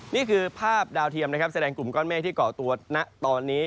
นี่คือภาพดาวเทียมนะครับแสดงกลุ่มก้อนเมฆที่เกาะตัวณตอนนี้